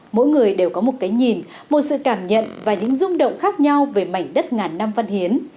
mỗi người đều có một cái nhìn một sự cảm nhận và những rung động khác nhau về mảnh đất ngàn năm văn hiến